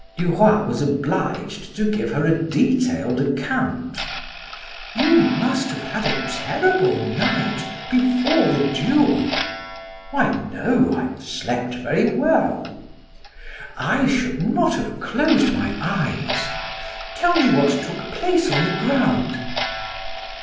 Duroy was obliged to give her a detailed account. "You must have had a terrible night before the duel!" "Why, no; I slept very well." "I should not have closed my eyes. Tell me what took place on the ground."